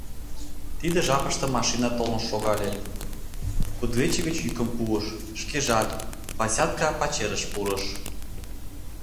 Тиде жапыште машина толын шогале, кудывече гыч йӱкым пуыш, шкежат, Васятка, пачерыш пурыш.